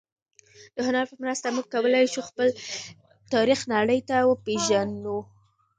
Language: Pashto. د هنر په مرسته موږ کولای شو خپل تاریخ نړۍ ته وپېژنو.